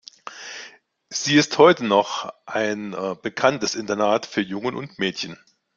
Sie ist noch heute ein bekanntes Internat für Jungen und Mädchen.